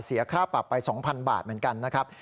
เสียค่าปรับไป๒๐๐๐บาทเหมือนกันนะครับ